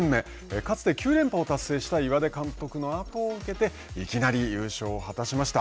かつて９連覇を達成した岩出監督のあとを受けていきなり優勝を果たしました。